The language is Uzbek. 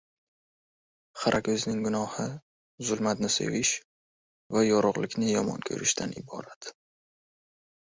Xira ko‘zning gunohi zulmatni sevish va yorug‘likni yomon ko‘rishdan iborat.